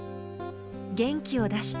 「元気を出して」。